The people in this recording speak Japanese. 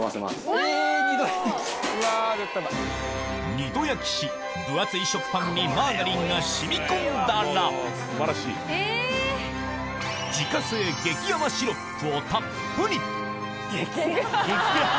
２度焼きし分厚い食パンにマーガリンが染み込んだらえ！をたっぷり激甘シロップ。